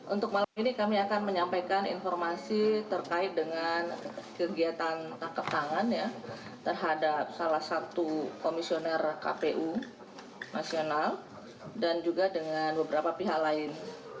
untuk malam ini kami akan menyampaikan informasi terkait dengan kegiatan tangkap tangan terhadap salah satu komisioner kpu nasional dan juga dengan beberapa pihak lain